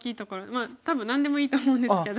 まあ多分何でもいいと思うんですけど。